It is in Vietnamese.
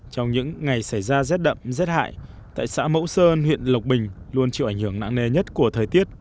trong những ngày xảy ra rét đậm rét hại tại xã mẫu sơn huyện lộc bình luôn chịu ảnh hưởng nặng nề nhất của thời tiết